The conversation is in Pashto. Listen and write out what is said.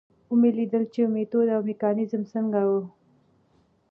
ومې لیدل چې میتود او میکانیزم څنګه و.